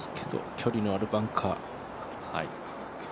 距離のあるバンカー。